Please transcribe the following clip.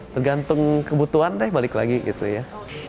tergantung kebutuhan deh balik lagi gitu ya